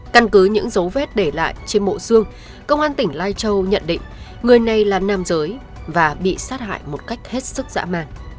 căn cứ những dấu vết để lại trên bộ xương công an tỉnh lai châu nhận định người này là nam giới và bị sát hại một cách hết sức dã man